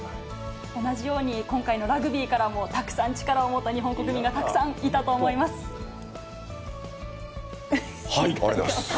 同じように、今回のラグビーからもたくさん力をもらった日本国民がたくさんいありがとうございます！